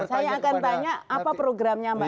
saya akan tanya apa programnya mbak eva